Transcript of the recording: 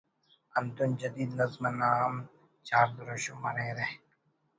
ہندن جدید نظم انا ہم چار دروشم مریرہ